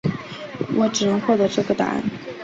我只能获得这个答案